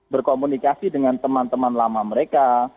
berkomunikasi dengan teman teman lama mereka